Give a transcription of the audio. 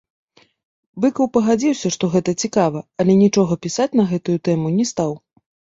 Быкаў пагадзіўся, што гэта цікава, але нічога пісаць на гэтую тэму не стаў.